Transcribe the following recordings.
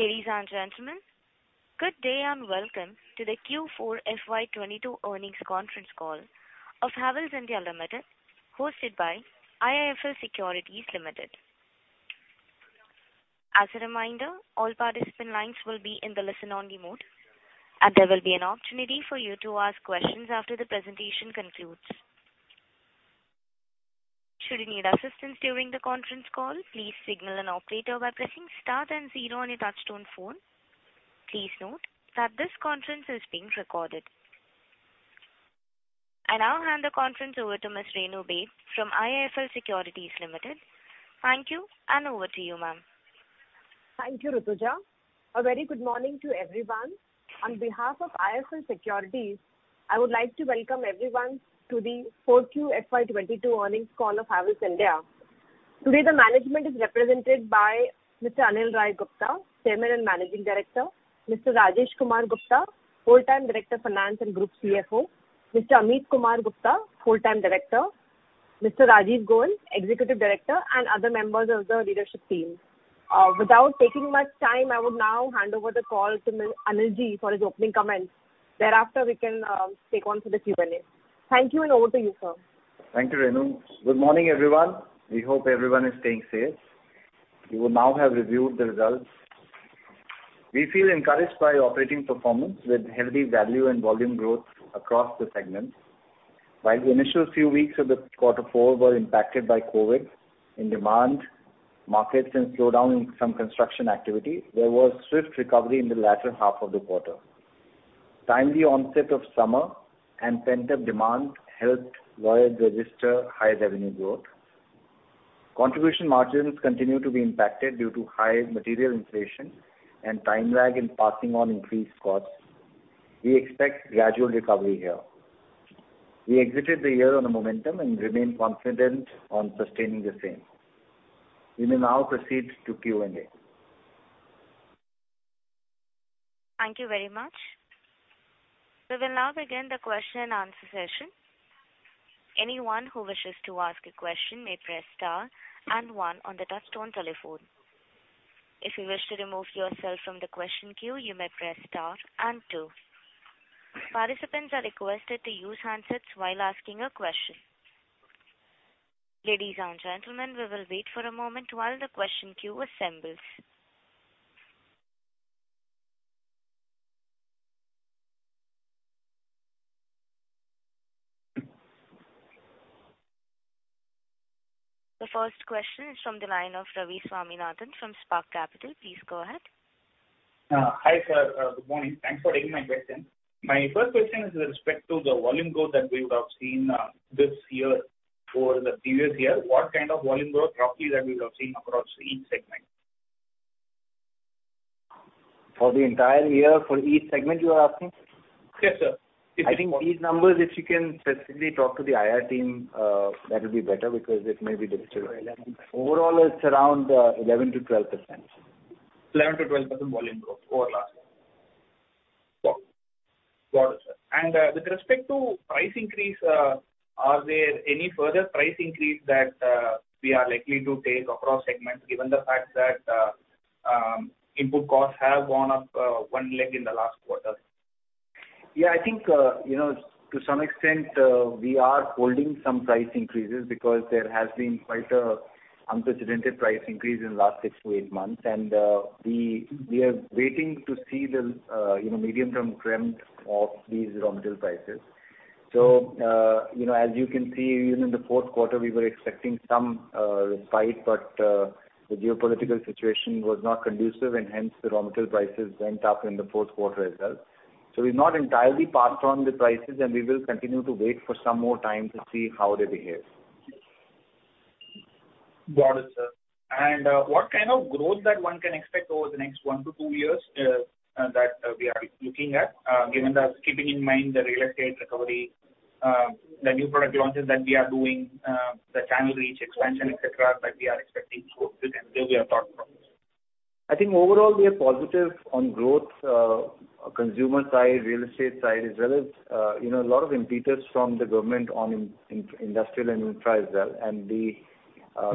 Ladies and gentlemen, good day and welcome to the Q4 FY 2022 earnings conference call of Havells India Limited, hosted by IIFL Securities Limited. As a reminder, all participant lines will be in the listen-only mode, and there will be an opportunity for you to ask questions after the presentation concludes. Should you need assistance during the conference call, please signal an operator by pressing star then zero on your touchtone phone. Please note that this conference is being recorded. I now hand the conference over to Ms. Renu Baid from IIFL Securities Limited. Thank you, and over to you, ma'am. Thank you, Rutuja. A very good morning to everyone. On behalf of IIFL Securities, I would like to welcome everyone to the 4Q FY 2022 earnings call of Havells India. Today, the management is represented by Mr. Anil Rai Gupta, Chairman and Managing Director, Mr. Rajesh Kumar Gupta, Whole-time Director Finance and Group CFO, Mr. Ameet Kumar Gupta, Whole-time Director, Mr. Rajiv Goel, Executive Director, and other members of the leadership team. Without taking much time, I would now hand over the call to Anil for his opening comments. Thereafter, we can move on to the Q&A. Thank you, and over to you, sir. Thank you, Renu. Good morning, everyone. We hope everyone is staying safe. You will now have reviewed the results. We feel encouraged by operating performance with healthy value and volume growth across the segments. While the initial few weeks of the quarter four were impacted by COVID in demand markets and slowdown in some construction activity, there was swift recovery in the latter half of the quarter. Timely onset of summer and pent-up demand helped wires register high revenue growth. Contribution margins continue to be impacted due to high material inflation and time lag in passing on increased costs. We expect gradual recovery here. We exited the year on a momentum and remain confident on sustaining the same. We may now proceed to Q&A. Thank you very much. We will now begin the question and answer session. Anyone who wishes to ask a question may press star and one on the touchtone telephone. If you wish to remove yourself from the question queue, you may press star and two. Participants are requested to use handsets while asking a question. Ladies and gentlemen, we will wait for a moment while the question queue assembles. The first question is from the line of Ravi Swaminathan from Spark Capital. Please go ahead. Hi, sir. Good morning. Thanks for taking my question. My first question is with respect to the volume growth that we would have seen, this year over the previous year. What kind of volume growth roughly that we would have seen across each segment? For the entire year for each segment, you are asking? Yes, sir. I think these numbers, if you can specifically talk to the IR team, that would be better because it may be difficult. Overall, it's around 11%-12%. 11%-12% volume growth over last year. Yes. Got it, sir. With respect to price increase, are there any further price increase that we are likely to take across segments, given the fact that input costs have gone up one leg in the last quarter? Yeah, I think, you know, to some extent, we are holding some price increases because there has been quite an unprecedented price increase in the last six-eight months. We are waiting to see the, you know, medium-term trend of these raw material prices. You know, as you can see, even in the fourth quarter, we were expecting some respite, but the geopolitical situation was not conducive, and hence, the raw material prices went up in the fourth quarter as well. We've not entirely passed on the prices, and we will continue to wait for some more time to see how they behave. Got it, sir. What kind of growth that one can expect over the next one to two years that we are looking at, keeping in mind the real estate recovery, the new product launches that we are doing, the channel reach expansion, et cetera, that we are expecting? If you can give your thought process. I think overall we are positive on growth, consumer side, real estate side as well as, you know, a lot of impetus from the government on industrial and infra as well. The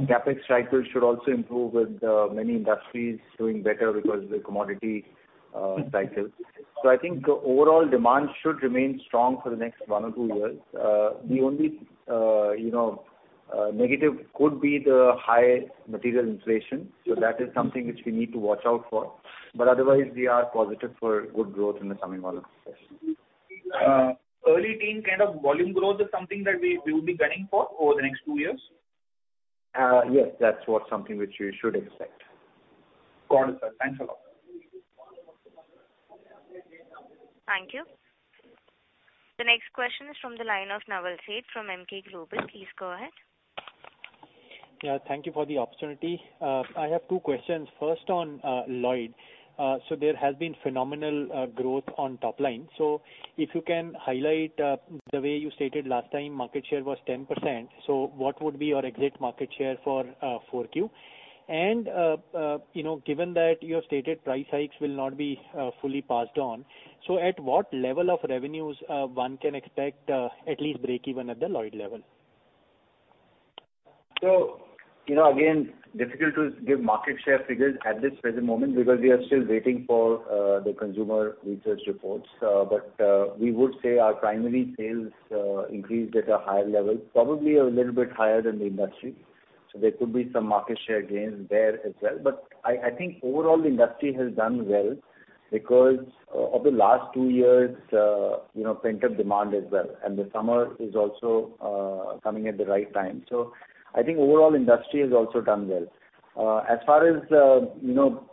CapEx cycle should also improve with many industries doing better because of the commodity cycle. I think overall demand should remain strong for the next one or two years. The only negative could be the high material inflation. That is something which we need to watch out for. Otherwise we are positive for good growth in the coming months. Early teens kind of volume growth is something that we will be gunning for over the next two years? Yes. That's what something which you should expect. Got it, sir. Thanks a lot. Thank you. The next question is from the line of Naval Seth from Emkay Global. Please go ahead. Yeah, thank you for the opportunity. I have two questions. First on Lloyd. There has been phenomenal growth on top line. If you can highlight the way you stated last time, market share was 10%. What would be your exit market share for 4Q? You know, given that you have stated price hikes will not be fully passed on, so at what level of revenues one can expect at least breakeven at the Lloyd level? You know, again, difficult to give market share figures at this present moment because we are still waiting for the consumer research reports. But we would say our primary sales increased at a higher level, probably a little bit higher than the industry. There could be some market share gains there as well. But I think overall the industry has done well because over the last two years, you know, pent-up demand as well, and the summer is also coming at the right time. I think overall industry has also done well. As far as you know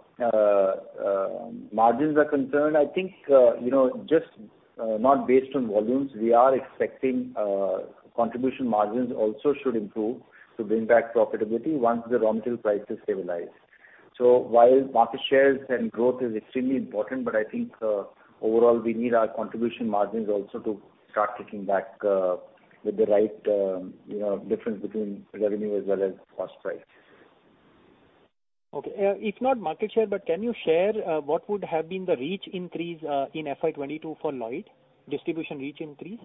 margins are concerned, I think you know just not based on volumes, we are expecting contribution margins also should improve to bring back profitability once the raw material prices stabilize. While market shares and growth is extremely important, but I think, overall, we need our contribution margins also to start kicking back, with the right, you know, difference between revenue as well as cost price. Okay. If not market share, but can you share what would have been the reach increase in FY 2022 for Lloyd? Distribution reach increase?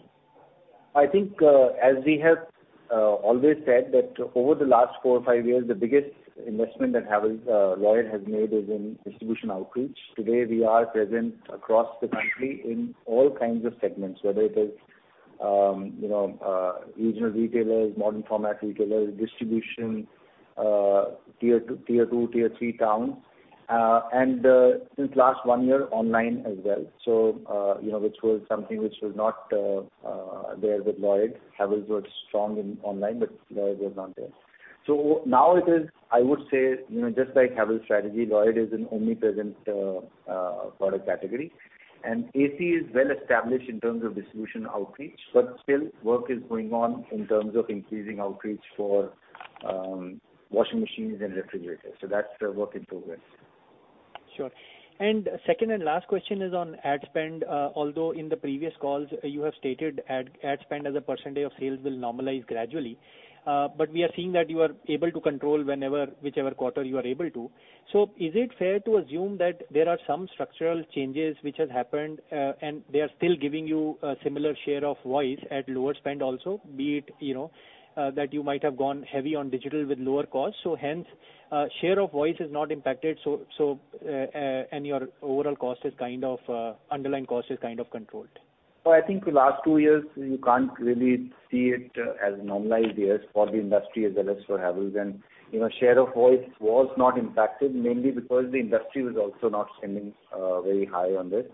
I think, as we have always said that over the last four or five years, the biggest investment that Havells, Lloyd has made is in distribution outreach. Today, we are present across the country in all kinds of segments, whether it is, you know, regional retailers, modern format retailers, distribution, Tier 2, Tier 3 towns, and since last one year online as well. You know, which was something which was not there with Lloyd. Havells was strong in online, but Lloyd was not there. Now it is, I would say, you know, just like Havells strategy, Lloyd is an omnipresent product category. AC is well established in terms of distribution outreach, but still work is going on in terms of increasing outreach for washing machines and refrigerators. That's a work in progress. Sure. Second and last question is on ad spend. Although in the previous calls you have stated ad spend as a percentage of sales will normalize gradually. We are seeing that you are able to control whichever quarter you are able to. Is it fair to assume that there are some structural changes which has happened, and they are still giving you a similar share of voice at lower spend also, be it, you know, that you might have gone heavy on digital with lower cost, hence, share of voice is not impacted, and your overall cost is kind of underlying cost is kind of controlled? I think the last two years, you can't really see it as normalized years for the industry as well as for Havells. You know, share of voice was not impacted, mainly because the industry was also not spending very high on this.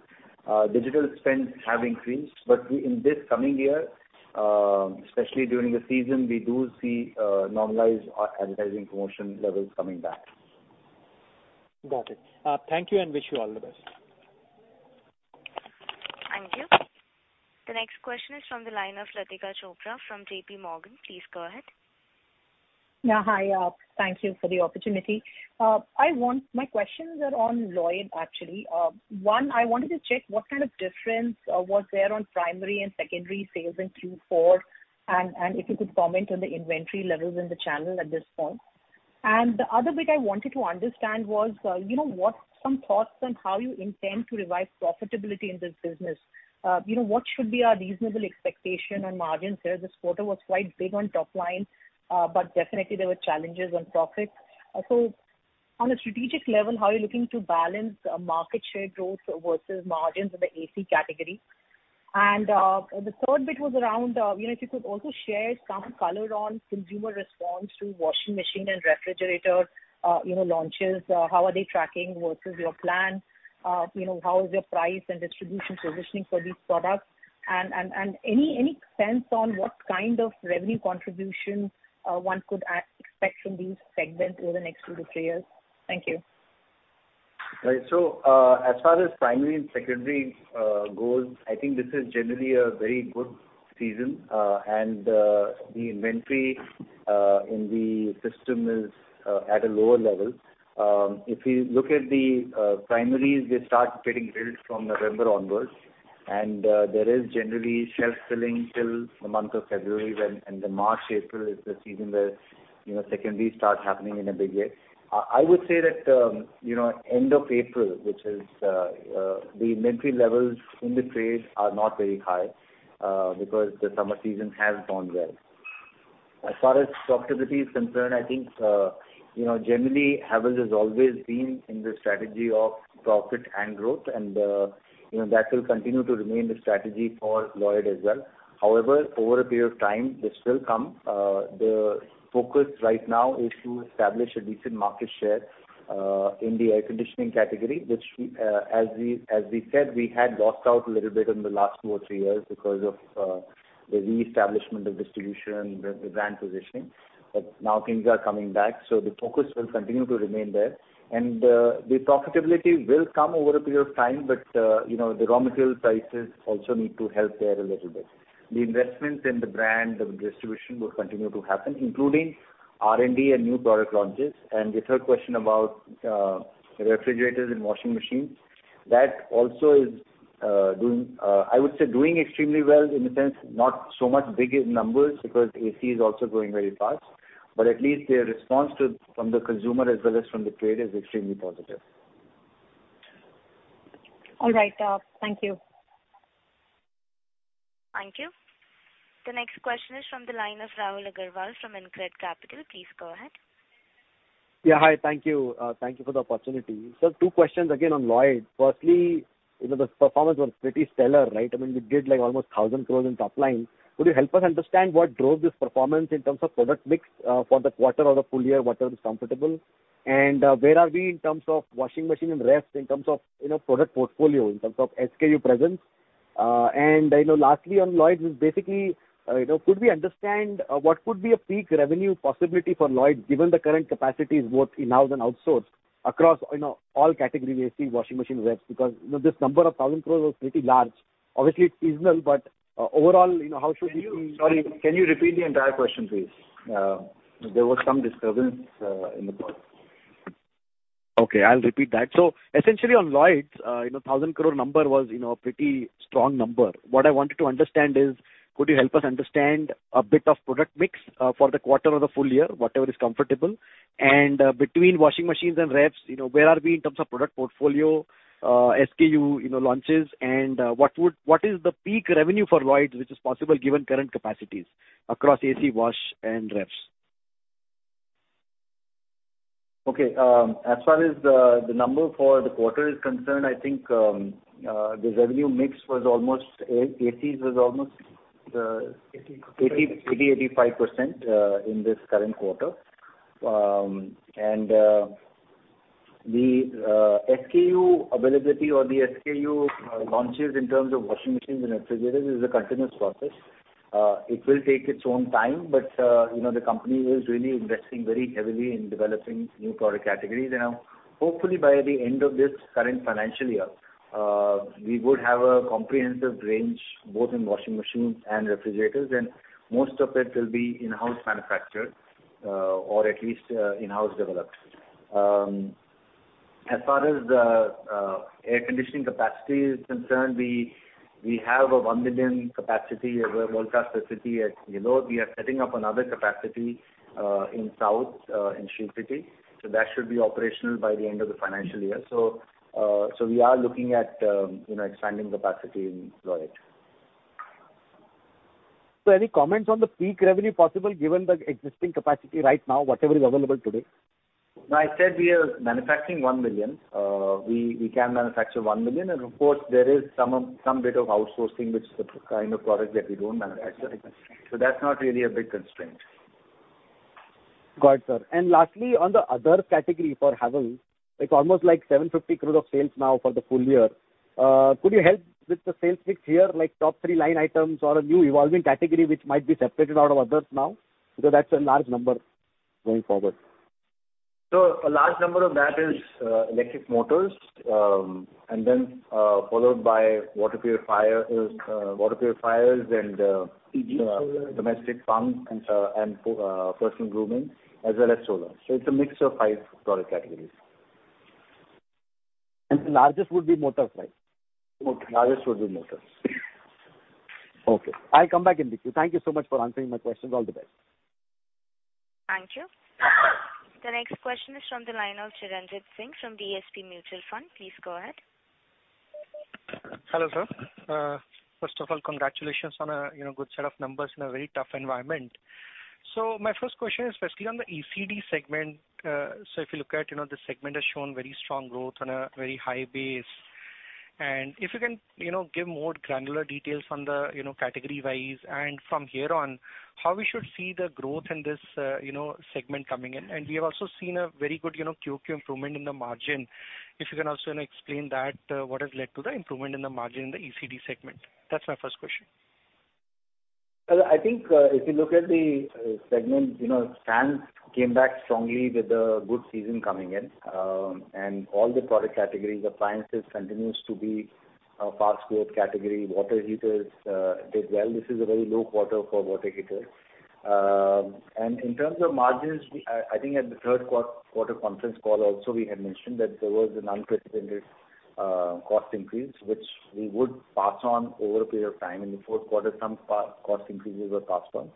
Digital spends have increased. In this coming year, especially during the season, we do see normalized advertising promotion levels coming back. Got it. Thank you and wish you all the best. Thank you. The next question is from the line of Latika Chopra from J.P. Morgan. Please go ahead. Yeah, hi. Thank you for the opportunity. My questions are on Lloyd, actually. One, I wanted to check what kind of difference was there on primary and secondary sales in Q4, and if you could comment on the inventory levels in the channel at this point. The other bit I wanted to understand was, you know, what's some thoughts on how you intend to revise profitability in this business. You know, what should be our reasonable expectation on margin share. This quarter was quite big on top line, but definitely there were challenges on profit. On a strategic level, how are you looking to balance market share growth versus margins in the AC category. The third bit was around, you know, if you could also share some color on consumer response to washing machine and refrigerator, you know, launches. How are they tracking versus your plan? You know, how is your price and distribution positioning for these products? And any sense on what kind of revenue contribution one could expect from these segments over the next two-three years? Thank you. Right. As far as primary and secondary goes, I think this is generally a very good season. The inventory in the system is at a lower level. If you look at the primaries, they start getting built from November onwards. There is generally shelf filling till the month of February, and the March, April is the season where, you know, secondary start happening in a big way. I would say that, you know, end of April, which is the inventory levels in the trade are not very high, because the summer season has gone well. As far as profitability is concerned, I think, you know, generally, Havells has always been in the strategy of profit and growth and, you know, that will continue to remain the strategy for Lloyd as well. However, over a period of time, this will come. The focus right now is to establish a decent market share, in the air conditioning category, which we, as we said, we had lost out a little bit in the last two or three years because of, the reestablishment of distribution, the brand positioning. Now things are coming back, so the focus will continue to remain there. The profitability will come over a period of time, but, you know, the raw material prices also need to help there a little bit. The investments in the brand, the distribution will continue to happen, including R&D and new product launches. The third question about refrigerators and washing machines, that also is doing extremely well in the sense not so much big in numbers because AC is also growing very fast. At least their response from the consumer as well as from the trade is extremely positive. All right, thank you. Thank you. The next question is from the line of Rahul Agarwal from InCred Capital. Please go ahead. Yeah. Hi, thank you. Thank you for the opportunity. Two questions again on Lloyd. Firstly, you know, the performance was pretty stellar, right? I mean, you did like almost 1,000 crores in top line. Could you help us understand what drove this performance in terms of product mix, for the quarter or the full year, whatever is comfortable? Where are we in terms of washing machine and ref in terms of, you know, product portfolio, in terms of SKU presence? I know lastly on Lloyd is basically, you know, could we understand, what could be a peak revenue possibility for Lloyd, given the current capacities both in-house and outsourced across, you know, all category, AC, washing machine, refs? Because, you know, this number of 1,000 crores was pretty large. Obviously it's seasonal, but overall, you know, how should we see? Can you repeat the entire question, please? There was some disturbance in the call. Okay, I'll repeat that. Essentially on Lloyd, you know, 1,000 crore number was, you know, a pretty strong number. What I wanted to understand is could you help us understand a bit of product mix for the quarter or the full year, whatever is comfortable? Between washing machines and refs, you know, where are we in terms of product portfolio, SKU, you know, launches? What is the peak revenue for Lloyd which is possible given current capacities across AC, wash and refs? Okay, as far as the number for the quarter is concerned, I think the revenue mix was almost ACs was almost. 80%. 80%-85% in this current quarter. The SKU availability or the SKU launches in terms of washing machines and refrigerators is a continuous process. It will take its own time, but you know, the company is really investing very heavily in developing new product categories. Hopefully by the end of this current financial year, we would have a comprehensive range both in washing machines and refrigerators, and most of it will be in-house manufactured or at least in-house developed. As far as the air conditioning capacity is concerned, we have a 1 million capacity at our world-class facility at Ghiloth. We are setting up another capacity in south in Sri City. That should be operational by the end of the financial year. We are looking at, you know, expanding capacity in Lloyd. Any comments on the peak revenue possible given the existing capacity right now, whatever is available today? No, I said we are manufacturing 1 million. We can manufacture 1 million and of course there is some bit of outsourcing which is the kind of product that we don't manufacture. That's not really a big constraint. Got it, sir. Lastly, on the other category for Havells, it's almost like 750 crore of sales now for the full year. Could you help with the sales mix here, like top three line items or a new evolving category which might be separated out of others now? Because that's a large number going forward. A large number of that is electric motors, and then followed by water purifiers and PG, solar. Domestic pumps and personal grooming as well as solar. It's a mix of five product categories. The largest would be motors, right? Largest would be motors. Okay. I'll come back in the queue. Thank you so much for answering my questions. All the best. Thank you. The next question is from the line of Charanjit Singh from DSP Mutual Fund. Please go ahead. Hello, sir. First of all, congratulations on a, you know, good set of numbers in a very tough environment. My first question is firstly on the ECD segment. If you look at, you know, the segment has shown very strong growth on a very high base. If you can, you know, give more granular details on the, you know, category-wise, and from here on, how we should see the growth in this, you know, segment coming in. We have also seen a very good, you know, QoQ improvement in the margin. If you can also, you know, explain that, what has led to the improvement in the margin in the ECD segment? That's my first question. Well, I think if you look at the segment, you know, fans came back strongly with a good season coming in. All the product categories, appliances continues to be a fast growth category. Water heaters did well. This is a very low quarter for water heaters. In terms of margins, I think at the third quarter conference call also we had mentioned that there was an unprecedented cost increase, which we would pass on over a period of time. In the fourth quarter, some cost increases were passed on.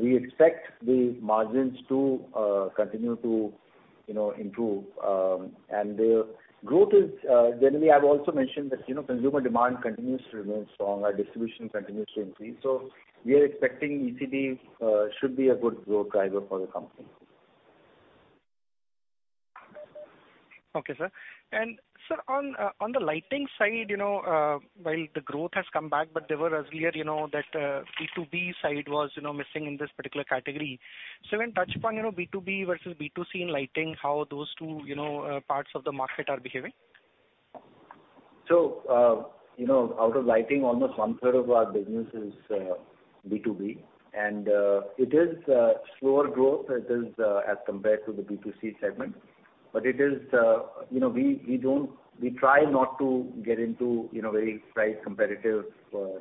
We expect the margins to continue to, you know, improve. Generally I've also mentioned that, you know, consumer demand continues to remain strong. Our distribution continues to increase. We are expecting ECD should be a good growth driver for the company. Okay, sir. Sir, on the lighting side, you know, while the growth has come back, but it was clear that the B2B side was missing in this particular category. Can you touch upon, you know, B2B versus B2C in lighting, how those two, you know, parts of the market are behaving? You know, out of lighting, almost one third of our business is B2B, and it is slower growth as compared to the B2C segment. It is, you know, we try not to get into, you know, very price competitive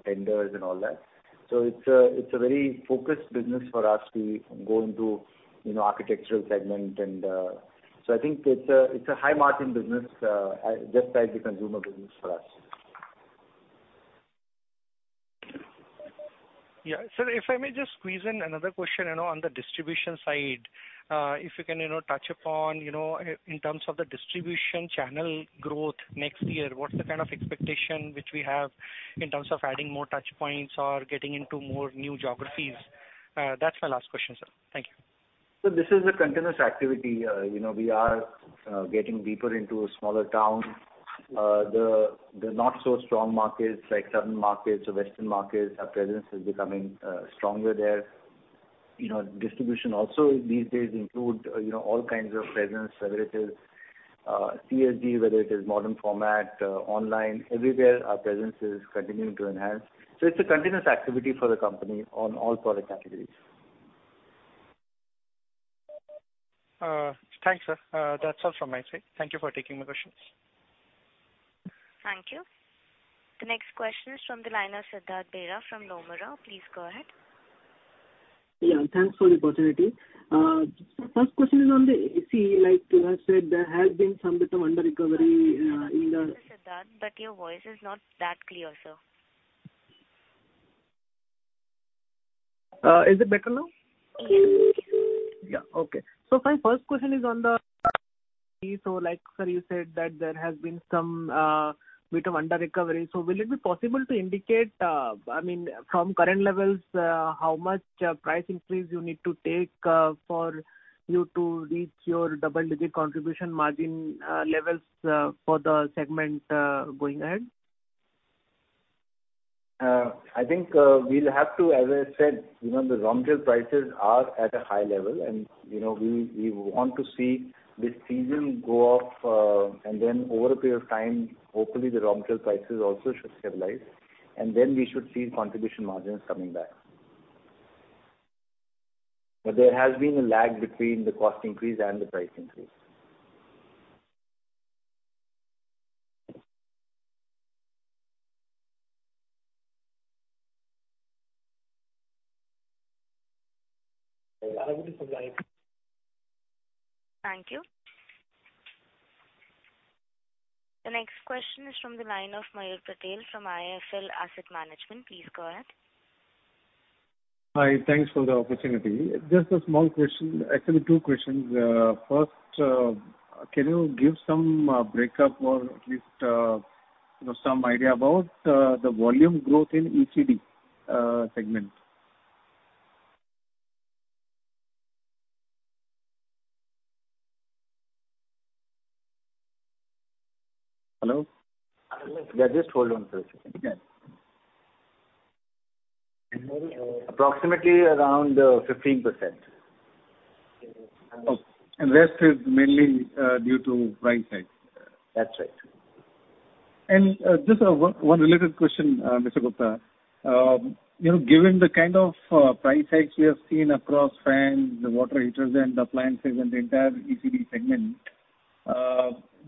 tenders and all that. It's a very focused business for us to go into, you know, architectural segment. I think it's a high margin business just like the consumer business for us. Yeah. Sir, if I may just squeeze in another question, you know, on the distribution side, if you can, you know, touch upon, you know, in terms of the distribution channel growth next year, what's the kind of expectation which we have in terms of adding more touchpoints or getting into more new geographies? That's my last question, sir. Thank you. This is a continuous activity. You know, we are getting deeper into smaller towns. The not so strong markets like southern markets or western markets, our presence is becoming stronger there. You know, distribution also these days include, you know, all kinds of presence, whether it is CSD, whether it is modern format, online, everywhere our presence is continuing to enhance. It's a continuous activity for the company on all product categories. Thanks, sir. That's all from my side. Thank you for taking my questions. Thank you. The next question is from the line of Siddhartha Bera from Nomura. Please go ahead. Yeah, thanks for the opportunity. First question is on the AC. Like you have said, there has been some bit of under-recovery in the- Sorry to interrupt you, Siddhartha, but your voice is not that clear, sir. Is it better now? Yes. My first question is on the AC. Like, sir, you said that there has been some bit of under-recovery. Will it be possible to indicate, I mean, from current levels, how much price increase you need to take, for you to reach your double-digit contribution margin levels, for the segment, going ahead? I think we'll have to. As I said, you know, the raw material prices are at a high level, and, you know, we want to see this season go off, and then over a period of time, hopefully the raw material prices also should stabilize, and then we should see contribution margins coming back. But there has been a lag between the cost increase and the price increase. I will put it online. Thank you. The next question is from the line of Mayur Patel from IIFL Asset Management. Please go ahead. Hi. Thanks for the opportunity. Just a small question. Actually, two questions. First, can you give some breakup or at least, you know, some idea about the volume growth in ECD segment? Hello? Hello. Yeah, just hold on for a second. Yeah. Approximately around 15%. Okay. Rest is mainly due to price hike. That's right. Just one related question, Mr. Gupta. You know, given the kind of price hikes we have seen across fans, water heaters and appliances and the entire ECD segment,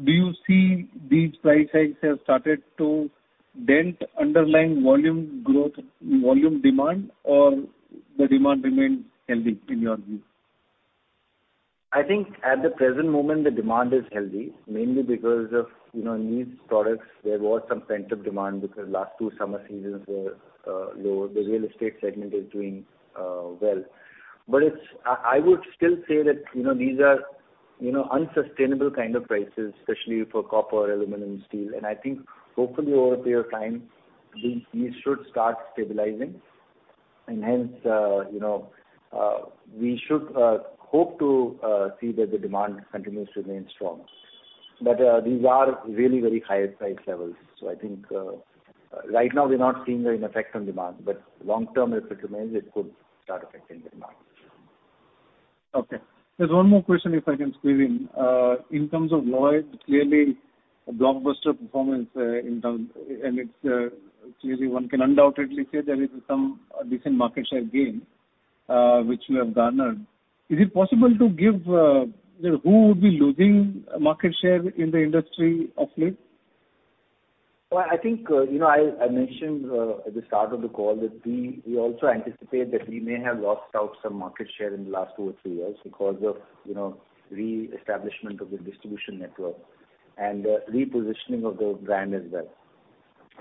do you see these price hikes have started to dent underlying volume growth, volume demand, or the demand remain healthy in your view? I think at the present moment, the demand is healthy, mainly because of, you know, in these products there was some pent-up demand because last two summer seasons were low. The real estate segment is doing well. I would still say that, you know, these are, you know, unsustainable kind of prices, especially for copper, aluminum, steel, and I think hopefully over a period of time, these should start stabilizing, and hence, you know, we should hope to see that the demand continues to remain strong. These are really very high price levels. I think right now we're not seeing an effect on demand, but long term if it remains, it could start affecting demand. Okay. There's one more question, if I can squeeze in. In terms of Lloyd, clearly a blockbuster performance in terms. It's clearly one can undoubtedly say there is some decent market share gain which you have garnered. Is it possible to give, you know, who would be losing market share in the industry of late? Well, I think, you know, I mentioned at the start of the call that we also anticipate that we may have lost out some market share in the last two or three years because of, you know, reestablishment of the distribution network and, repositioning of the brand as well.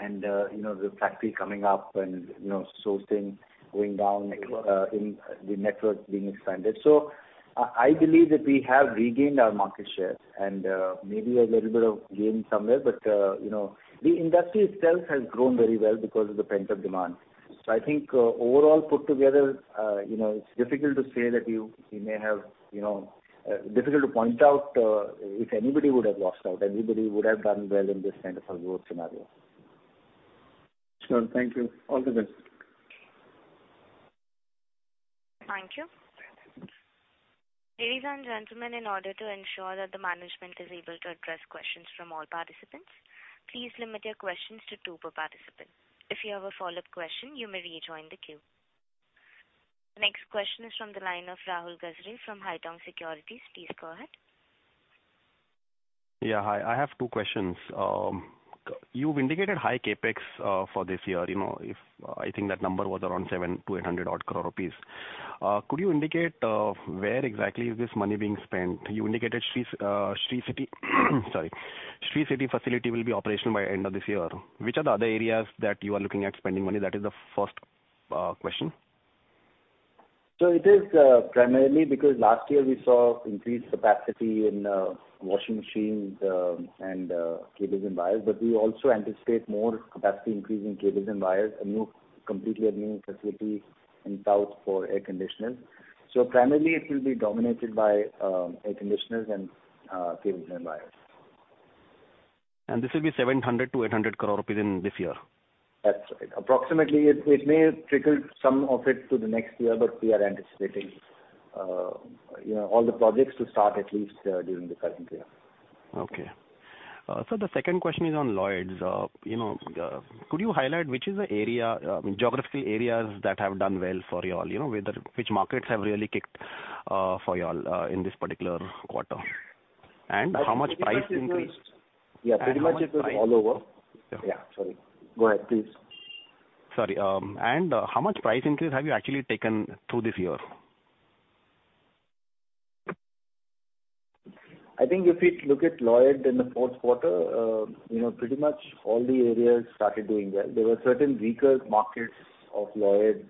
You know, the factory coming up and, you know, sourcing going down in the network being expanded. I believe that we have regained our market share and, maybe a little bit of gain somewhere. You know, the industry itself has grown very well because of the pent-up demand. I think, overall put together, you know, it's difficult to say that you may have, you know, difficult to point out, if anybody would have lost out. Everybody would have done well in this kind of a growth scenario. Sure. Thank you. All the best. Thank you. Ladies and gentlemen, in order to ensure that the management is able to address questions from all participants, please limit your questions to two per participant. If you have a follow-up question, you may rejoin the queue. The next question is from the line of Rahul Gajare from Haitong Securities. Please go ahead. Hi, I have two questions. You've indicated high CapEx for this year. You know, I think that number was around 700-800 crore rupees. Could you indicate where exactly is this money being spent? You indicated Sri City facility will be operational by end of this year. Which are the other areas that you are looking at spending money? That is the first question. It is primarily because last year we saw increased capacity in washing machines and cables and wires, but we also anticipate more capacity increase in cables and wires, a completely new facility in south for air conditioners. Primarily it will be dominated by air conditioners and cables and wires. This will be 700 crore-800 crore rupees in this year? That's it. Approximately, it may trickle some of it to the next year, but we are anticipating, you know, all the projects to start at least during the current year. Okay. The second question is on Lloyd. You know, could you highlight which is the area, geography areas that have done well for you all? You know, which markets have really kicked for you all in this particular quarter? How much price increase Yeah. Pretty much it was all over. How much price? Yeah, sorry. Go ahead, please. Sorry. How much price increase have you actually taken through this year? I think if we look at Lloyd in the fourth quarter, you know, pretty much all the areas started doing well. There were certain weaker markets of Lloyd,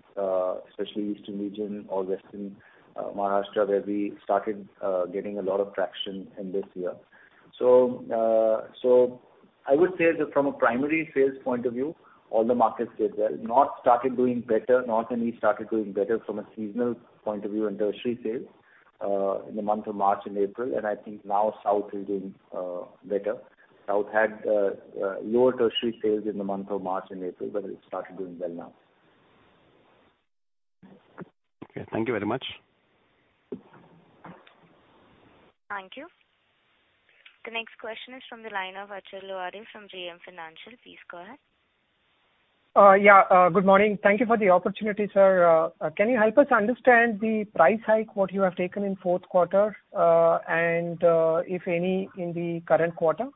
especially eastern region or western, Maharashtra, where we started getting a lot of traction in this year. So I would say that from a primary sales point of view, all the markets did well. North started doing better. North and East started doing better from a seasonal point of view in tertiary sales, in the month of March and April, and I think now South is doing better. South had lower tertiary sales in the month of March and April, but it started doing well now. Okay. Thank you very much. Thank you. The next question is from the line of Achal Vohra from JM Financial. Please go ahead. Good morning. Thank you for the opportunity, sir. Can you help us understand the price hike what you have taken in fourth quarter, and if any in the current quarter?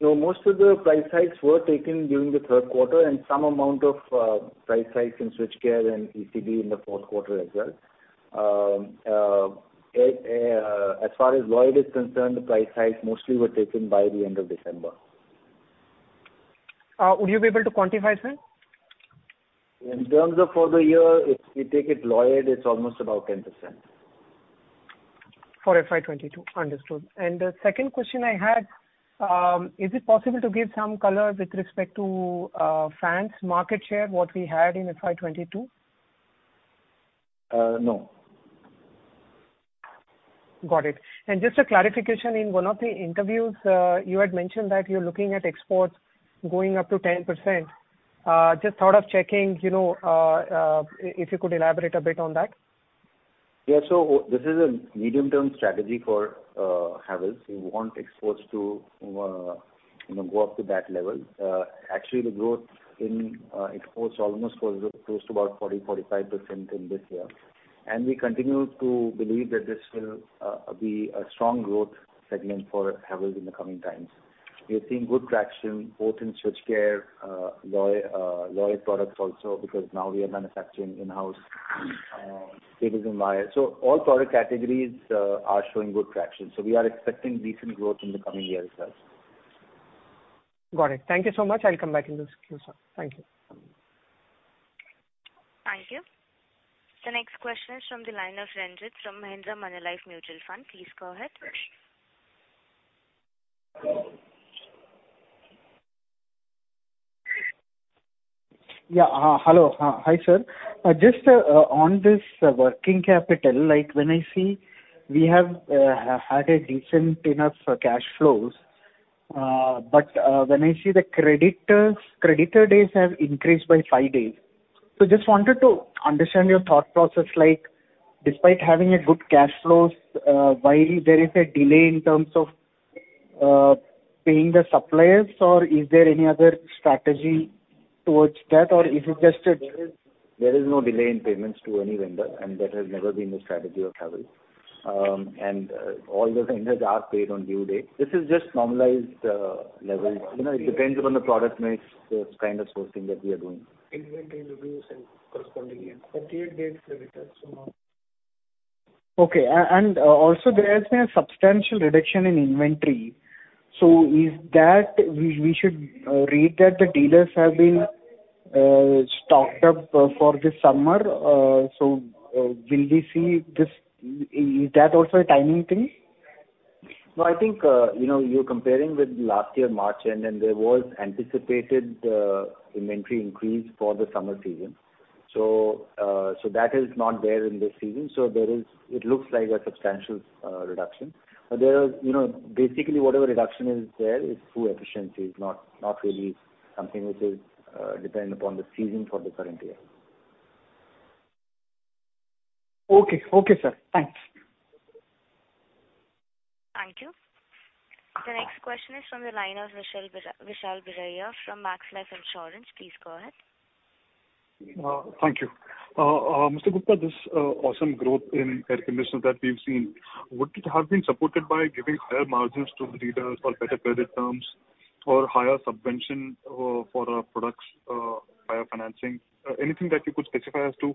No, most of the price hikes were taken during the third quarter and some amount of price hikes in Switchgear and ECB in the fourth quarter as well. As far as Lloyd is concerned, the price hikes mostly were taken by the end of December. Would you be able to quantify, sir? In terms of for the year, if we take it Lloyd, it's almost about 10%. For FY 2022. Understood. The second question I had is it possible to give some color with respect to fans market share what we had in FY 2022? No. Got it. Just a clarification, in one of the interviews, you had mentioned that you're looking at exports going up to 10%. Just thought of checking, you know, if you could elaborate a bit on that. Yeah. This is a medium-term strategy for Havells. We want exports to, you know, go up to that level. Actually, the growth in exports almost was close to about 40%-45% in this year. We continue to believe that this will be a strong growth segment for Havells in the coming times. We are seeing good traction both in Switchgear, Lloyd products also because now we are manufacturing in-house cables and wires. All product categories are showing good traction, so we are expecting decent growth in the coming years as well. Got it. Thank you so much. I'll come back in this queue, sir. Thank you. Thank you. The next question is from the line of Renjith from Mahindra Manulife Mutual Fund. Please go ahead. Yeah. Hello. Hi, sir. Just, on this working capital, like when I see we had a decent enough cash flows, but when I see the creditor days have increased by five days. Just wanted to understand your thought process, like despite having a good cash flows, why there is a delay in terms of paying the suppliers, or is there any other strategy towards that, or is it just a There is no delay in payments to any vendor, and that has never been the strategy of Havells. All the vendors are paid on due date. This is just normalized levels. You know, it depends upon the product mix, the kind of sourcing that we are doing. Inventory reduced and correspondingly in 38 days, creditors so now. Okay. Also, there has been a substantial reduction in inventory. Is that we should read that the dealers have been stocked up for this summer? Will we see this? Is that also a timing thing? No, I think, you know, you're comparing with last year March, and then there was anticipated inventory increase for the summer season. That is not there in this season. It looks like a substantial reduction. But there is, you know, basically whatever reduction is there is through efficiencies, not really something which is dependent upon the season for the current year. Okay. Okay, sir. Thanks. Thank you. The next question is from the line of Vishal Vaja from Max Life Insurance. Please go ahead. Thank you. Mr. Gupta, this awesome growth in air conditioners that we've seen, would it have been supported by giving higher margins to the dealers or better credit terms? Higher subvention for our products, higher financing. Anything that you could specify as to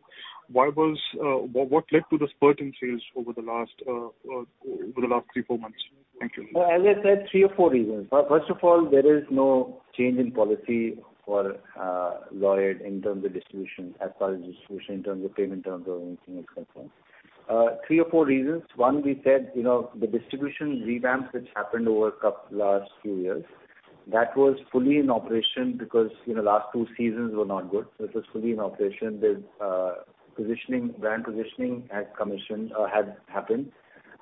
why what led to the spurt in sales over the last three, four months? Thank you. Well, as I said, three or four reasons. First of all, there is no change in policy for Lloyd in terms of distribution, as far as distribution, in terms of payment terms or anything is concerned. Three or four reasons. One, we said, you know, the distribution revamps which happened over couple last few years, that was fully in operation because, you know, last two seasons were not good. So it was fully in operation. The positioning, brand positioning had commissioned or had happened.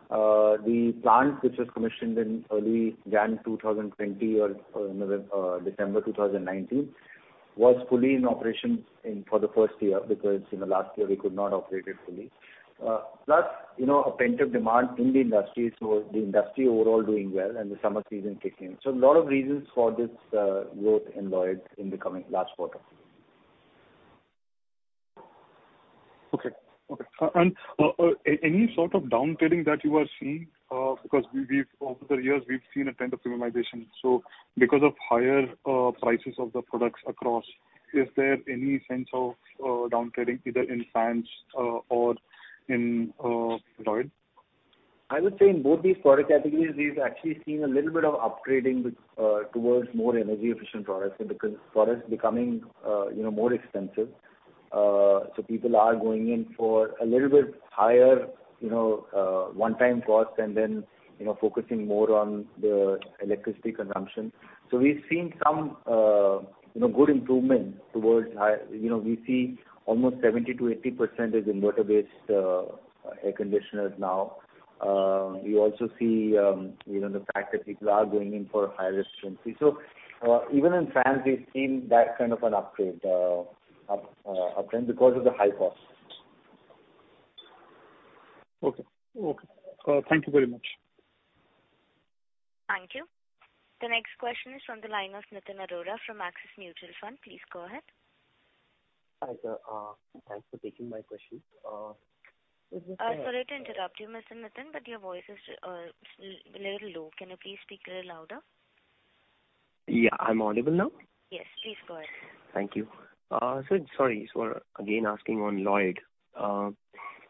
The plant which was commissioned in early January 2020 or December 2019 was fully in operation in for the first year because in the last year we could not operate it fully. Plus, you know, a pent-up demand in the industry. So the industry overall doing well and the summer season kicking in. A lot of reasons for this growth in Lloyd in the coming last quarter. Any sort of downtrading that you are seeing, because we've, over the years, we've seen a trend of premiumization. Because of higher prices of the products across, is there any sense of downtrading either in fans or in Lloyd? I would say in both these product categories, we've actually seen a little bit of upgrading towards more energy efficient products because products becoming, you know, more expensive. People are going in for a little bit higher, you know, one-time cost and then, you know, focusing more on the electricity consumption. We've seen some, you know, good improvement. You know, we see almost 70%-80% is inverter-based air conditioners now. You also see, you know, the fact that people are going in for higher efficiency. Even in fans, we've seen that kind of an upgrade because of the high costs. Okay. Thank you very much. Thank you. The next question is from the line of Nitin Arora from Axis Mutual Fund. Please go ahead. Hi, sir. Thanks for taking my question. It's just, Sorry to interrupt you, Mr. Nitin, but your voice is a little low. Can you please speak a little louder? Yeah. I'm audible now? Yes. Please go ahead. Thank you. Again, asking on Lloyd.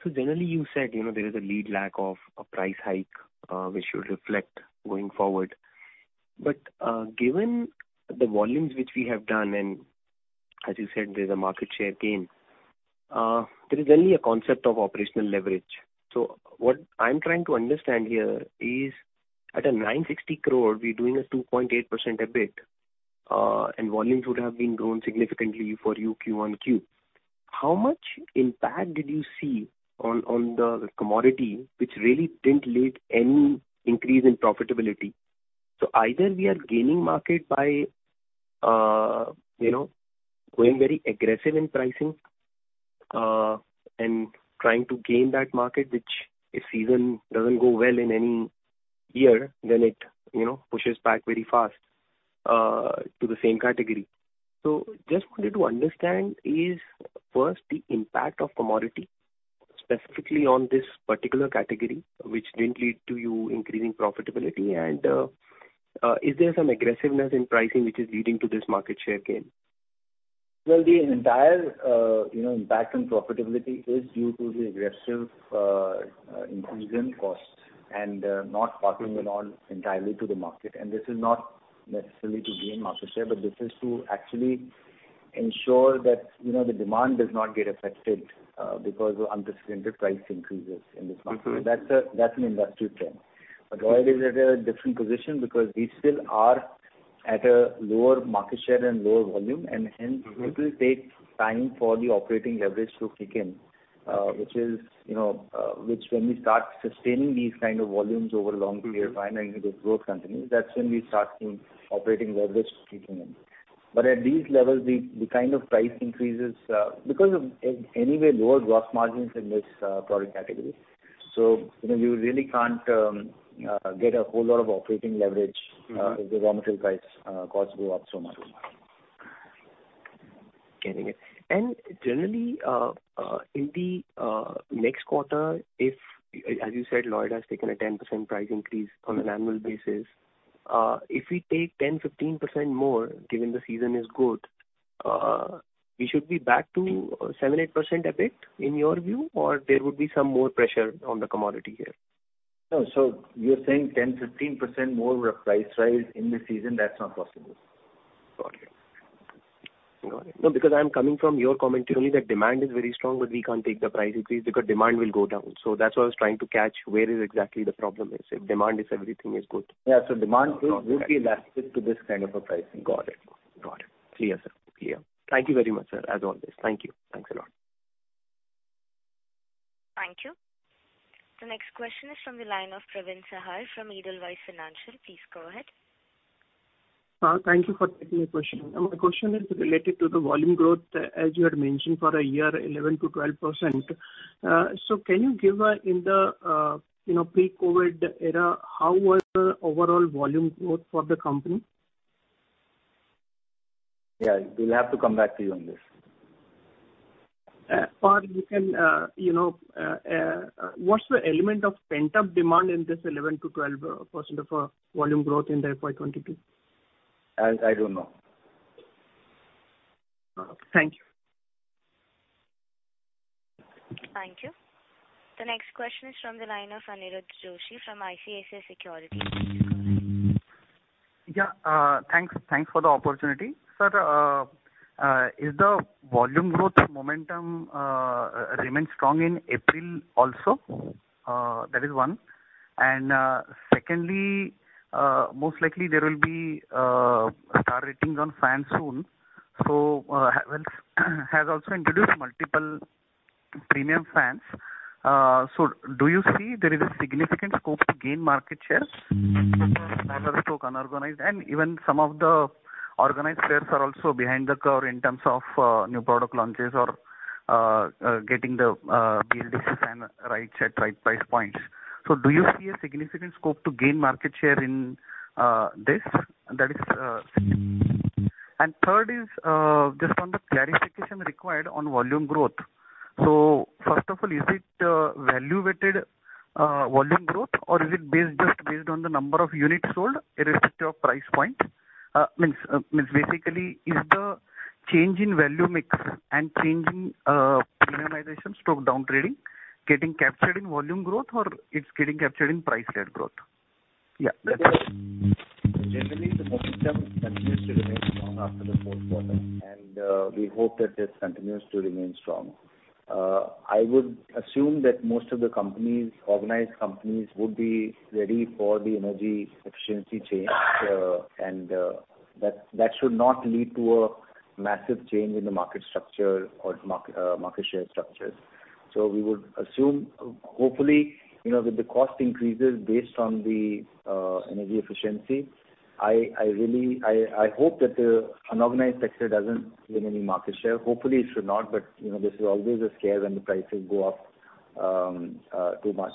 Generally you said, you know, there is a lead lag of a price hike, which should reflect going forward. Given the volumes which we have done, and as you said, there's a market share gain, there is only a concept of operational leverage. What I'm trying to understand here is at 960 crore, we're doing a 2.8% EBIT, and volumes would have been grown significantly for you quarter-on-quarter. How much impact did you see on the commodity, which really didn't lead any increase in profitability? Either we are gaining market by, you know, going very aggressive in pricing, and trying to gain that market, which if season doesn't go well in any year, then it, you know, pushes back very fast, to the same category. Just wanted to understand is, first, the impact of commodity specifically on this particular category, which didn't lead to you increasing profitability. Is there some aggressiveness in pricing which is leading to this market share gain? Well, the entire, you know, impact on profitability is due to the aggressive increase in costs and not passing it on entirely to the market. This is not necessarily to gain market share, but this is to actually ensure that, you know, the demand does not get affected, because of unprecedented price increases in this market. Mm-hmm. That's an industry trend. Okay. Lloyd is at a different position because we still are at a lower market share and lower volume, and hence. Mm-hmm... it will take time for the operating leverage to kick in. Which is, you know, which when we start sustaining these kind of volumes over long period. Mm-hmm... finally the growth continues. That's when we start seeing operating leverage kicking in. At these levels, the kind of price increases because of anyway lower gross margins in this product category. You know, you really can't get a whole lot of operating leverage. Mm-hmm If the raw material prices, costs go up so much. Getting it. Generally, in the next quarter, if, as you said, Lloyd has taken a 10% price increase on an annual basis, if we take 10%-15% more, given the season is good, we should be back to 7%-8% EBIT in your view, or there would be some more pressure on the commodity here? No. You're saying 10%-15% more price rise in this season, that's not possible. Got it. No, because I'm coming from your comment to me that demand is very strong, but we can't take the price increase because demand will go down. That's why I was trying to catch where exactly the problem is, if everything is good. Demand is. Got it. Would be elastic to this kind of a price increase. Got it. Clear, sir. Thank you very much, sir, as always. Thank you. Thanks a lot. Thank you. The next question is from the line of Praveen Sahay from Edelweiss Financial. Please go ahead. Thank you for taking the question. My question is related to the volume growth, as you had mentioned for a year, 11%-12%. Can you give, in the pre-COVID era, how was the overall volume growth for the company? Yeah, we'll have to come back to you on this. you know, what's the element of pent-up demand in this 11%-12% volume growth in the FY 2022? I don't know. Thank you. Thank you. The next question is from the line of Aniruddha Joshi from ICICI Securities. Yeah. Thanks for the opportunity. Sir, is the volume growth momentum remains strong in April also? That is one. Secondly, most likely there will be star ratings on fans soon. So, Havells has also introduced multiple premium fans. So do you see there is a significant scope to gain market share? Unorganized, and even some of the organized players are also behind the curve in terms of new product launches or getting the BLDC fan rights at right price points. So do you see a significant scope to gain market share in this? That is. Third is just on the clarification required on volume growth. First of all, is it value-weighted volume growth, or is it based just on the number of units sold irrespective of price point? Means basically is the change in value mix and change in premiumization, up and down trading getting captured in volume growth or it's getting captured in price-led growth? Yeah, that's it. Generally the momentum continues to remain strong after the fourth quarter, and we hope that this continues to remain strong. I would assume that most of the companies, organized companies would be ready for the energy efficiency change, and that should not lead to a massive change in the market structure or market share structures. We would assume, hopefully, you know, with the cost increases based on the energy efficiency, I really hope that the unorganized sector doesn't gain any market share. Hopefully it should not, but you know, this is always a scare when the prices go up too much.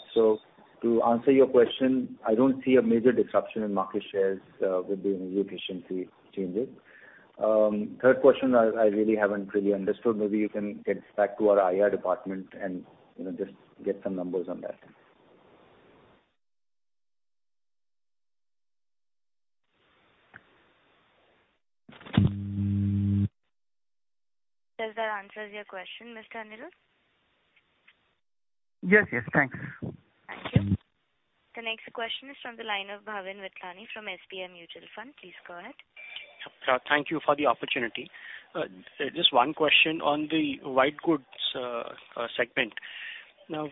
To answer your question, I don't see a major disruption in market shares with the energy efficiency changes. Third question, I really haven't understood. Maybe you can get back to our IR department and, you know, just get some numbers on that. Does that answer your question, Mr. Aniruddha? Yes, yes. Thanks. Thank you. The next question is from the line of Bhavin Vithlani from SBI Mutual Fund. Please go ahead. Thank you for the opportunity. Just one question on the white goods segment. Now,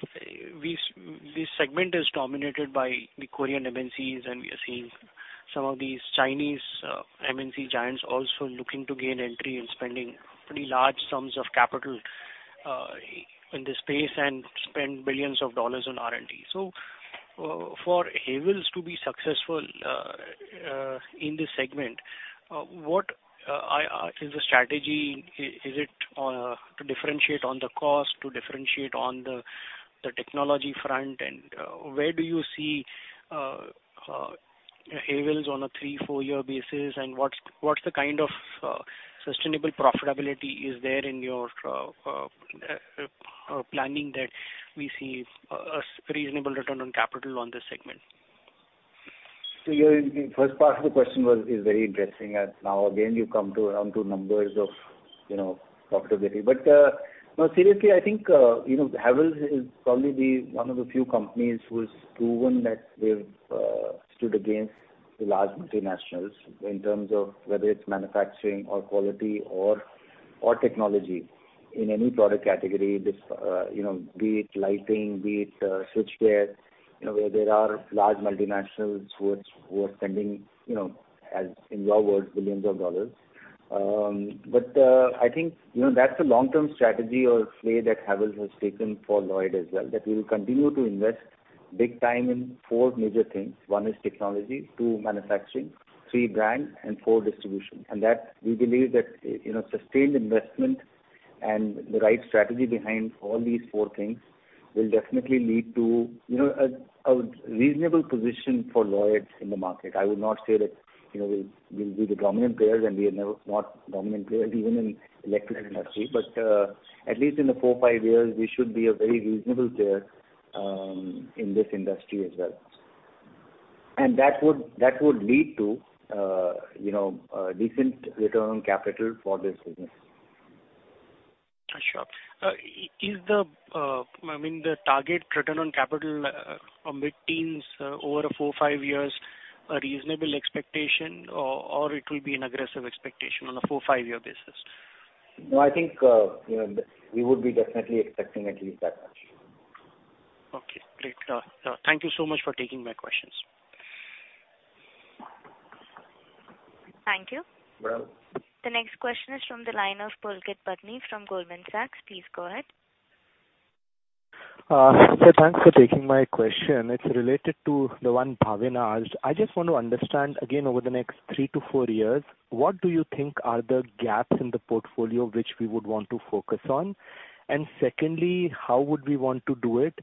this segment is dominated by the Korean MNCs, and we are seeing some of these Chinese MNC giants also looking to gain entry and spending pretty large sums of capital in this space and billions of dollars on R&D. For Havells to be successful in this segment, what is the strategy? Is it to differentiate on the cost, to differentiate on the technology front? Where do you see Havells on a three-four year basis, and what's the kind of sustainable profitability is there in your planning that we see a reasonable return on capital on this segment? Your first part of the question was, is very interesting, as now again you come to numbers of, you know, profitability. No, seriously, I think, you know, Havells is probably the one of the few companies who's proven that they've stood against the large multinationals in terms of whether it's manufacturing or quality or technology in any product category, this, you know, be it lighting, be it switchgear, you know, where there are large multinationals who are spending, you know, as in your words, billion dollars. I think, you know, that's a long-term strategy or play that Havells has taken for Lloyd as well, that we will continue to invest big time in four major things. One is technology, two manufacturing, three brand, and four distribution. We believe that, you know, sustained investment and the right strategy behind all these four things will definitely lead to, you know, a reasonable position for Lloyd in the market. I would not say that, you know, we'll be the dominant players, and we are never not dominant players even in electrical industry. At least in the four-five years, we should be a very reasonable player in this industry as well. That would lead to, you know, a decent return on capital for this business. Sure. I mean, is the target return on capital mid-teens over a four-five years a reasonable expectation or it will be an aggressive expectation on a four-five year basis? No, I think, you know, we would be definitely expecting at least that much. Okay, great. Thank you so much for taking my questions. Thank you. Welcome. The next question is from the line of Pulkit Patni from Goldman Sachs. Please go ahead. Yeah, thanks for taking my question. It's related to the one Bhavin asked. I just want to understand again, over the next three-four years, what do you think are the gaps in the portfolio which we would want to focus on? And secondly, how would we want to do it?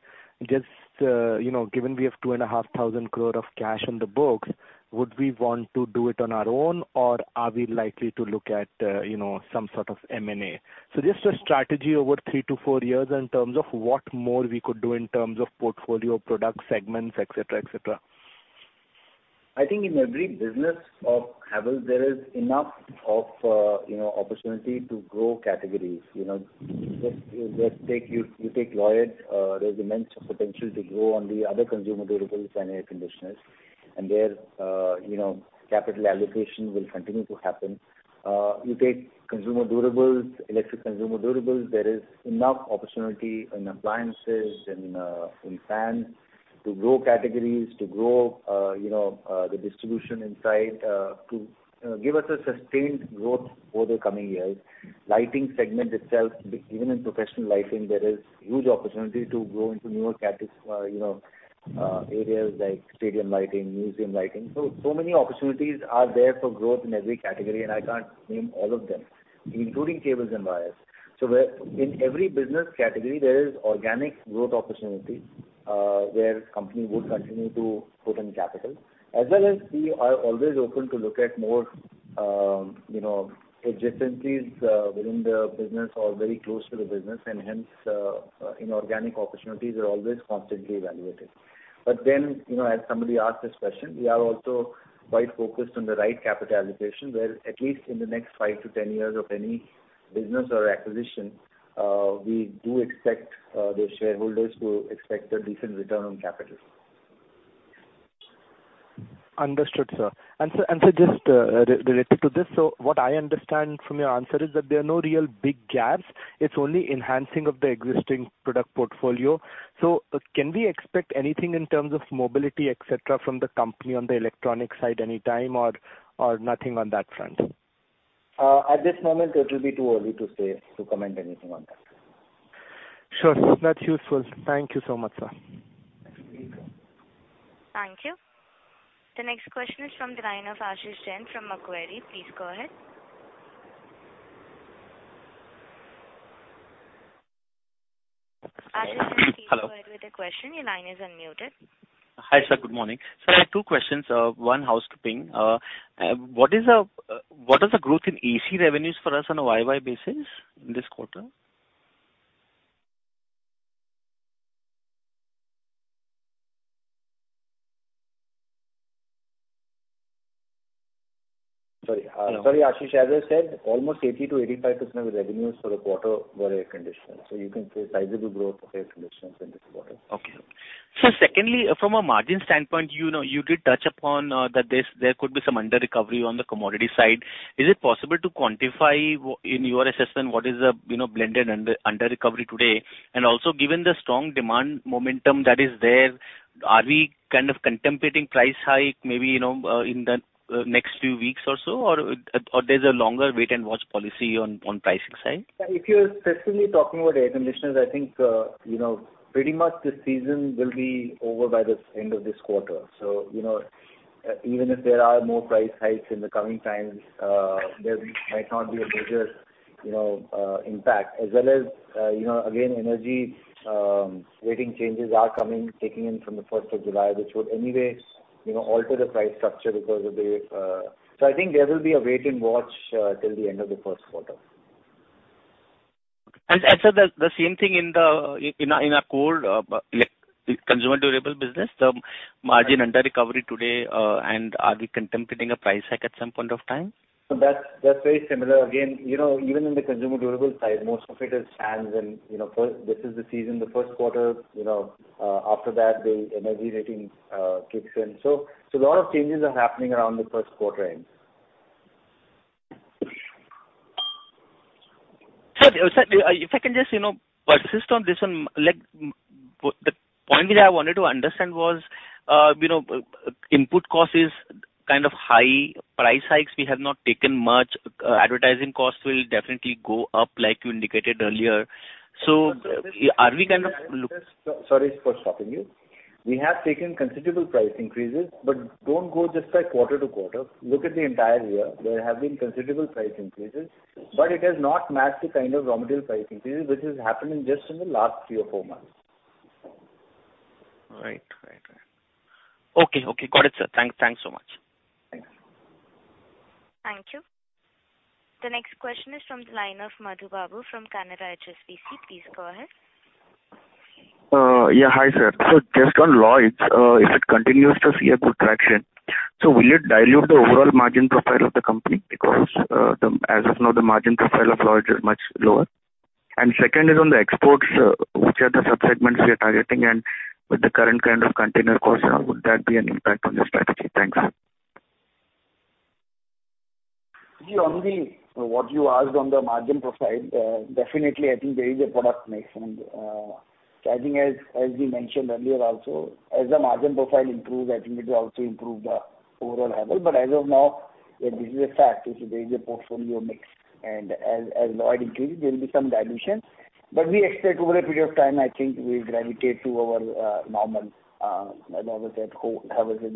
Just, you know, given we have 2,500 crore of cash on the books, would we want to do it on our own, or are we likely to look at, you know, some sort of M&A? Just a strategy over three-four years in terms of what more we could do in terms of portfolio product segments, et cetera, et cetera. I think in every business of Havells, there is enough of, you know, opportunity to grow categories. You know, just take Lloyd, there's immense potential to grow on the other consumer durables and air conditioners. There, you know, capital allocation will continue to happen. You take consumer durables, electric consumer durables, there is enough opportunity in appliances and in fans to grow categories, to grow you know, the distribution inside, to give us a sustained growth over the coming years. Lighting segment itself, even in professional lighting, there is huge opportunity to grow into newer areas like stadium lighting, museum lighting. Many opportunities are there for growth in every category, and I can't name all of them, including cables and wires. In every business category, there is organic growth opportunity, where company would continue to put in capital. As well as we are always open to look at more, you know, adjacencies, within the business or very close to the business, and hence, inorganic opportunities are always constantly evaluated. You know, as somebody asked this question, we are also quite focused on the right capital allocation, where at least in the next five-10 years of any business or acquisition, we do expect the shareholders to expect a decent return on capital. Understood, sir. Sir, just related to this, what I understand from your answer is that there are no real big gaps. It's only enhancing of the existing product portfolio. Can we expect anything in terms of mobility, et cetera, from the company on the electronic side anytime, or nothing on that front? At this moment, it will be too early to say, to comment anything on that. Sure. That's useful. Thank you so much, sir. Thank you. Thank you. The next question is from the line of Ashish Jain from Macquarie. Please go ahead. Ashish, you may- Hello. Go ahead with your question. Your line is unmuted. Hi, sir. Good morning. Sir, I have two questions. One housekeeping. What is the growth in AC revenues for us on a YoY basis this quarter? Sorry, Ashish, as I said, almost 80%-85% of revenues for the quarter were air conditioners, so you can say sizable growth of air conditioners in this quarter. Okay. Sir, secondly, from a margin standpoint, you know, you did touch upon that this, there could be some underrecovery on the commodity side. Is it possible to quantify in your assessment what is the, you know, blended underrecovery today? And also, given the strong demand momentum that is there, are we kind of contemplating price hike, maybe, you know, in the next few weeks or so, or there's a longer wait and watch policy on pricing side? If you're specifically talking about air conditioners, I think, you know, pretty much this season will be over by the end of this quarter. You know, even if there are more price hikes in the coming times, there might not be a major, you know, impact. As well as, you know, again, energy rating changes are coming, kicking in from the first of July, which would anyway, you know, alter the price structure. I think there will be a wait and watch, till the end of the first quarter. Sir, the same thing in our Lloyd consumer durable business, the margin underrecovery today, and are we contemplating a price hike at some point of time? That's very similar. Again, you know, even in the consumer durables side, most of it is fans and, you know, first this is the season, the first quarter, you know, after that the energy rating kicks in. So a lot of changes are happening around the first quarter end. Sir, if I can just, you know, persist on this one. Like, the point which I wanted to understand was, you know, input cost is kind of high, price hikes we have not taken much, advertising costs will definitely go up, like you indicated earlier. Are we kind of? Sorry for stopping you. We have taken considerable price increases, but don't go just by quarter-to-quarter. Look at the entire year. There have been considerable price increases, but it has not matched the kind of raw material price increases which has happened in just the last three or four months. Right. Okay. Got it, sir. Thanks. Thanks so much. Thank you. Thank you. The next question is from the line of Madhu Babu from Canara HSBC. Please go ahead. Hi, sir. Just on Lloyd, if it continues to see a good traction, will it dilute the overall margin profile of the company? Because, as of now, the margin profile of Lloyd is much lower. Second is on the exports, which are the subsegments we are targeting, and with the current kind of container costs, would that be an impact on the strategy? Thanks. On what you asked on the margin profile, definitely I think there is a product mix. I think as we mentioned earlier also, as the margin profile improves, I think it will also improve the overall level. As of now, this is a fact. There is a portfolio mix. As Lloyd increases, there will be some dilution. We expect over a period of time, I think we gravitate to our normal Havells as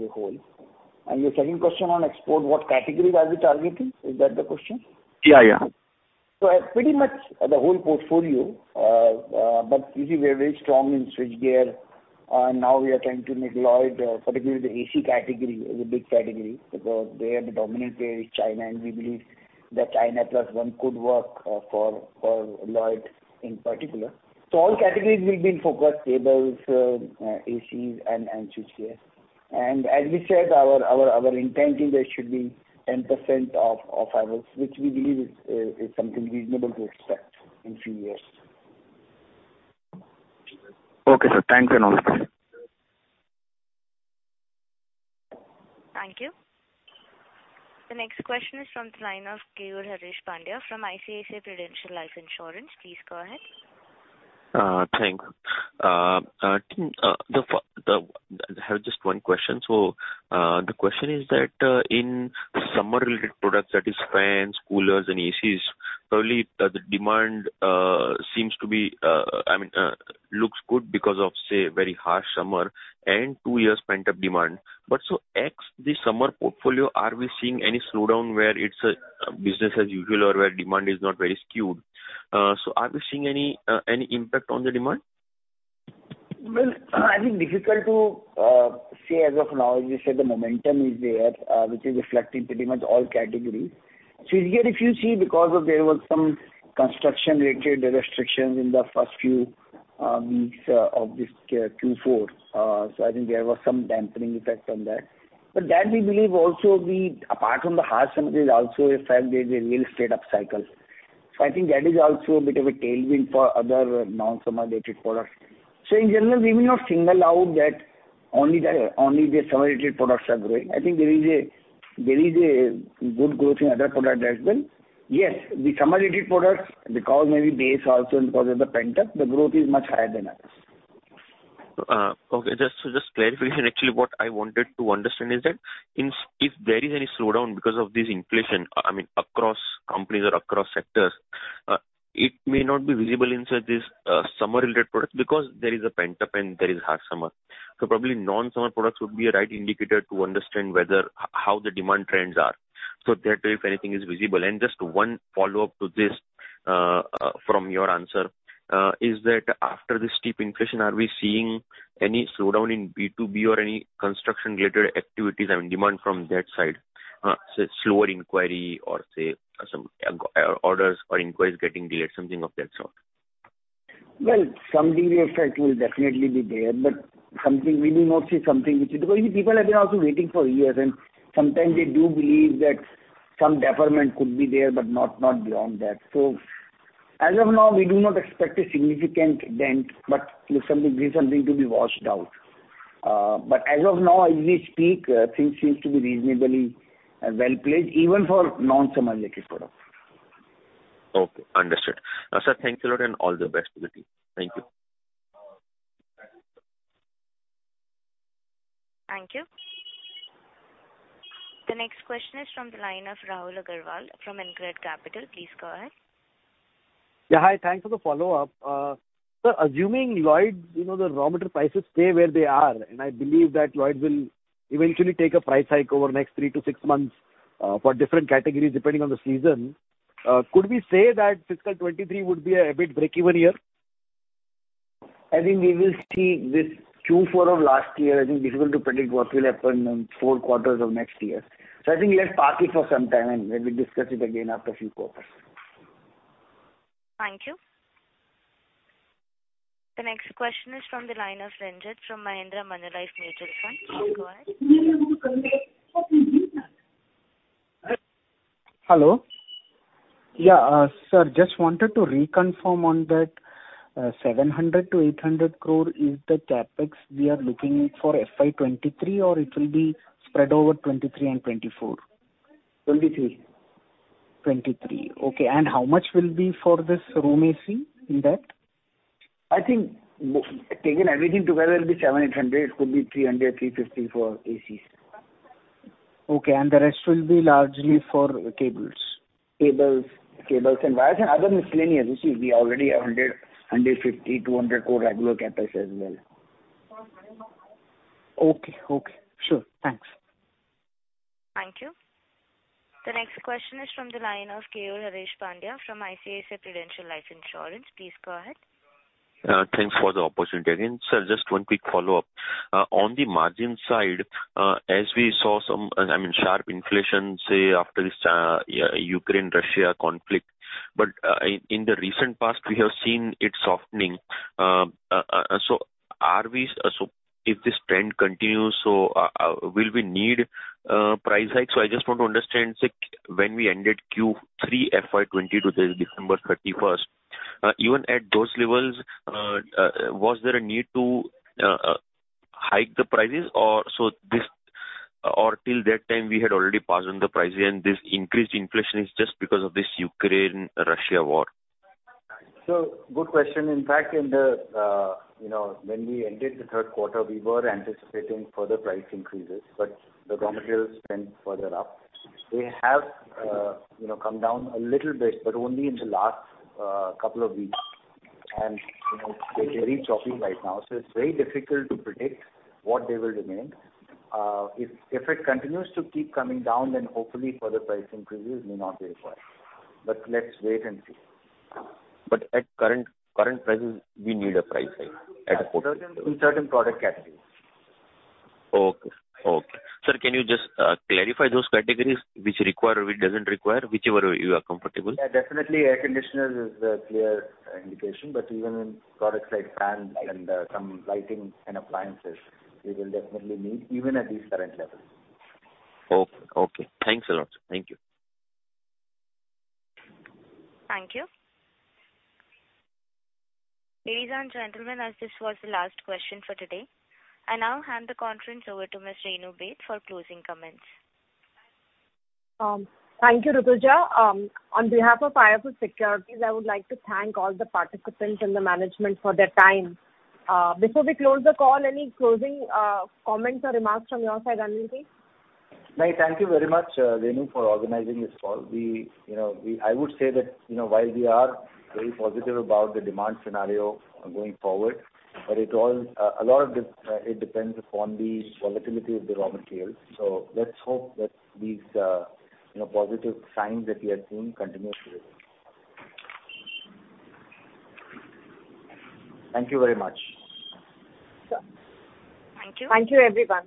a whole. Your second question on export, what category are we targeting? Is that the question? Yeah, yeah. Pretty much the whole portfolio, but you see we are very strong in switchgear, and now we are trying to make Lloyd, particularly the AC category, is a big category, because they are the dominant in China, and we believe that China plus one could work, for Lloyd in particular. All categories we've been focused, cables, ACs and switchgear. As we said, our intent is that it should be 10% of our, which we believe is something reasonable to expect in a few years. Okay, sir. Thanks a lot. Thank you. The next question is from the line of Keyur Pandya from ICICI Prudential Life Insurance. Please go ahead. Thanks. I think I have just one question. The question is that in summer-related products, that is fans, coolers and ACs, probably the demand seems to be, I mean, looks good because of, say, very harsh summer and two years pent-up demand. The summer portfolio, are we seeing any slowdown where it's business as usual or where demand is not very skewed? Are we seeing any impact on the demand? Well, I think difficult to say as of now. As we said, the momentum is there, which is reflecting pretty much all categories. Here, if you see because there was some construction related restrictions in the first few weeks of this Q4. I think there was some dampening effect on that. That we believe also we, apart from the harsh summer, there's also a fact there's a real estate upcycle. I think that is also a bit of a tailwind for other non-summer related products. In general, we will not single out that only the summer related products are growing. I think there is a good growth in other products as well. Yes, the summer related products because maybe base also and because of the pent-up, the growth is much higher than others. Okay. Just clarification, actually, what I wanted to understand is that if there is any slowdown because of this inflation, I mean across companies or across sectors, it may not be visible in this summer-related products because there is a pent-up and there is harsh summer. Probably non-summer products would be a right indicator to understand whether how the demand trends are. Thereby if anything is visible. Just one follow-up to this, from your answer, is that after this steep inflation, are we seeing any slowdown in B2B or any construction-related activities, I mean demand from that side? Say, slower inquiry or say some orders or inquiries getting delayed, something of that sort. Well, some degree of effect will definitely be there, but we will not say something which is because people have been also waiting for years, and sometimes they do believe that some deferment could be there, but not beyond that. As of now, we do not expect a significant dent, but look, this is something to be watched out. As of now, as we speak, things seems to be reasonably well placed even for non-summer related products. Okay, understood. Sir, thanks a lot and all the best to the team. Thank you. Thank you. The next question is from the line of Rahul Agarwal from Incred Capital. Please go ahead. Yeah. Hi. Thanks for the follow-up. Assuming Lloyd, you know, the raw material prices stay where they are, and I believe that Lloyd will eventually take a price hike over the next three to six months, for different categories depending on the season. Could we say that fiscal 2023 would be a bit breakeven year? I think we will see with Q4 of last year. I think it's difficult to predict what will happen in four quarters of next year. I think let's park it for some time, and maybe discuss it again after a few quarters. Thank you. The next question is from the line of Renjith from Mahindra Manulife Mutual Fund. Please go ahead. Yeah, sir, just wanted to reconfirm on that, 700 crore-800 crore is the CapEx we are looking for FY 2023 or it will be spread over 2023 and 2024? '2023. 2023. Okay. How much will be for this room AC in that? I think taken everything together will be 700-800. It could be 300-350 for ACs. Okay. The rest will be largely for cables. Cables and wires and other miscellaneous. You see, we already have 100 crore, 150 crore, 200 crore regular CapEx as well. Okay. Sure. Thanks. Thank you. The next question is from the line of Keyur Harish Pandya from ICICI Prudential Life Insurance. Please go ahead. Thanks for the opportunity again. Sir, just one quick follow-up. On the margin side, as we saw some, I mean, sharp inflation, say after this Ukraine, Russia conflict, but in the recent past, we have seen it softening. If this trend continues, will we need price hike? I just want to understand, say when we ended Q3 FY 2022 to December 31, even at those levels, was there a need to hike the prices or so this or till that time we had already passed on the prices and this increased inflation is just because of this Ukraine, Russia war? Good question. In fact, you know, when we entered the third quarter, we were anticipating further price increases, but the raw materials went further up. They have, you know, come down a little bit, but only in the last couple of weeks. You know, they're really choppy right now, so it's very difficult to predict what they will remain. If it continues to keep coming down, then hopefully further price increases may not be required. Let's wait and see. At current prices, we need a price hike in a quarter. In certain product categories. Okay. Sir, can you just clarify those categories which require, which doesn't require, whichever you are comfortable? Yeah, definitely air conditioners is a clear indication, but even in products like fans and some lighting and appliances, we will definitely need even at these current levels. Okay. Okay. Thanks a lot. Thank you. Thank you. Ladies and gentlemen, as this was the last question for today, I now hand the conference over to Ms. Renu Baid for closing comments. Thank you, Rutuja. On behalf of IIFL Securities, I would like to thank all the participants and the management for their time. Before we close the call, any closing comments or remarks from your side, Anil? No, thank you very much, Renu, for organizing this call. I would say that, you know, while we are very positive about the demand scenario going forward, but it all, a lot of this, it depends upon the volatility of the raw materials. Let's hope that these, you know, positive signs that we are seeing continue to remain. Thank you very much. Sure. Thank you. Thank you, everyone.